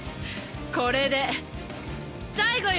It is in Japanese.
これで最後よ！